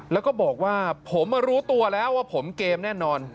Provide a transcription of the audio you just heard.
แล้วก็บอกว่าผมรู้ตัวแล้วว่าผมเกมแน่นอน